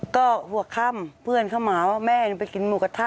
ก็หัวค่ำเพื่อนเข้ามาว่าแม่ไปกินหมูกระทะ